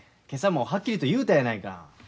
今朝もはっきりと言うたやないか。